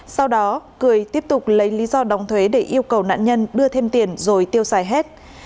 sau đó cười tiếp tục lấy lý do đóng thuế để yêu cầu nạn nhân đưa thêm tiền rồi tiêu xài hết